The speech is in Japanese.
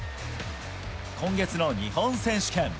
今月の日本選手権。